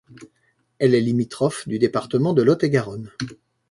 Elle est limitrophe du département de Lot-et-Garonne.